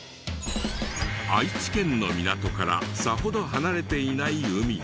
愛知県の港からさほど離れていない海で。